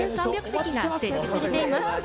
席が設置されています。